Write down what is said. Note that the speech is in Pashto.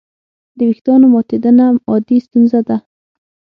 د وېښتیانو ماتېدنه عادي ستونزه ده.